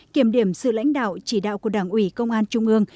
kiểm điểm sự lãnh đạo chỉ đạo của đảng ủy công an trung ương